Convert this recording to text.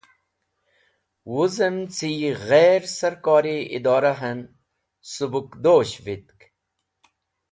Wuzem ce yi Ghair Sarkori Idorahen Subukdosh Witk